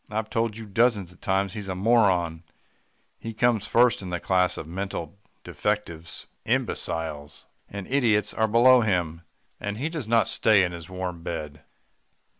'I've told you dozens of times he's a moron. He comes first in the class of mental defectives. Imbeciles and idiots are below him and he does not stay in his warm bed.